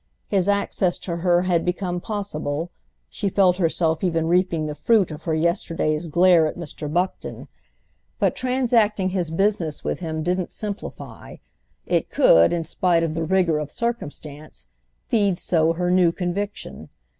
His access to her had become possible—she felt herself even reaping the fruit of her yesterday's glare at Mr. Buckton; but transacting his business with him didn't simplify—it could, in spite of the rigour of circumstance, feed so her new conviction.